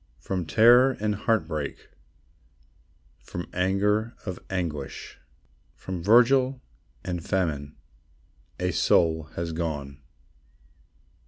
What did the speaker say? From terror and heartbreak, From anger of anguish, From vigil and famine, A soul has gone.